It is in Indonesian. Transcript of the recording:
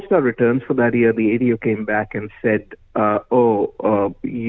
ketika kami meluncurkan keuntungan ato kembali dan mengatakan